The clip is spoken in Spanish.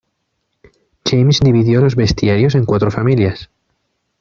James dividió los bestiarios en cuatro familias.